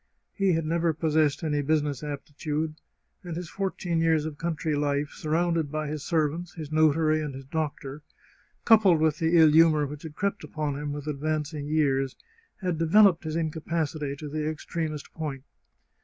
He had never possessed any business aptitude, and his fourteen years of country life, surrounded by his servants, his notary, and his doctor, coupled with the ill humour which had crept upon him with advancing years, had developed his incapacity to the extremest point.